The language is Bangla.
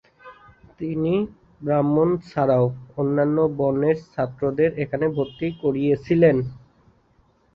তিনি ব্রাহ্মণ ছাড়াও অন্যান্য বর্ণের ছাত্রদের এখানে ভর্তি করিয়েছিলেন।